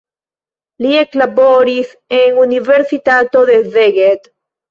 Li eklaboris en universitato de Szeged.